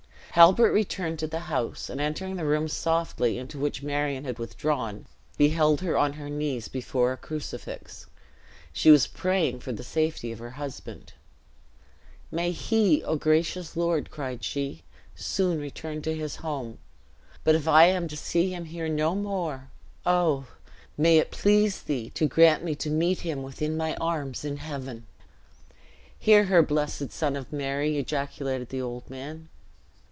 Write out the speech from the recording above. Halbert returned to the house; and entering the room softly, into which Marion had withdrawn, beheld her on her knees before a crucifix; she was praying for the safety of her husband. "May he, O gracious Lord!" cried she, "soon return to his home. But if I am to see him here no more, oh, may it please thee to grant me to meet him within thy arms in heaven!" "Hear her, blessed Son of Mary!" ejaculated the old man.